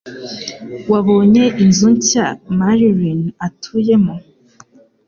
Wabonye inzu nshya Marilyn atuyemo?